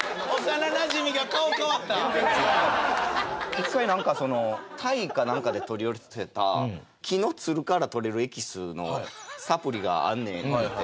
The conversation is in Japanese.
実際なんかタイかなんかで取り寄せた木のつるから取れるエキスのサプリがあんねんって言って。